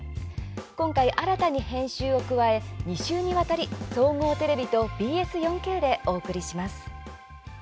今回、新たに編集を加え２週にわたり総合テレビとＢＳ４Ｋで放送します。